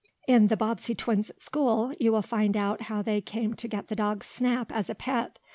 In "The Bobbsey Twins at School" you will find out how they came to get the dog Snap, as a pet.